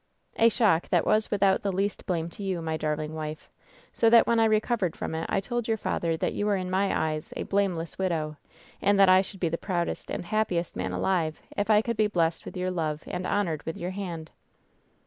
"A shock that was without the least blame to you, my darling wife ; so that when I recovered from it I told your father that you were in my eyes a blameless widow, and that I should be the proudest and happiest man alive if I could be blessed with your love and honored with your hand."